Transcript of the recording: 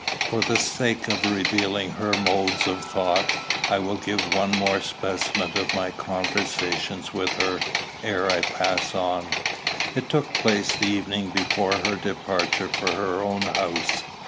For the sake of revealing her modes of thought, I will give one more specimen of my conversations with her, ere I pass on. It took place the evening before her departure for her own house.